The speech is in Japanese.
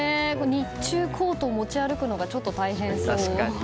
日中コートを持ち歩くのがちょっと大変そう。